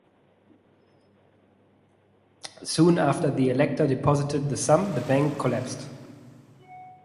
Soon after the Elector deposited the sum, the bank collapsed.